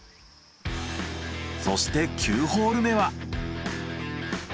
そして９ホール目は。